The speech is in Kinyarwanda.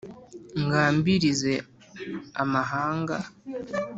ngambirize amahanga